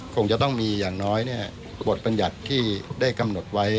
คงจะต้องมีอย่างน้อยบทบัญญัติที่ได้กำหนดไว้